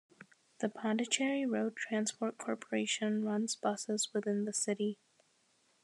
The Pondicherry Road Transport Corporation runs buses within the city.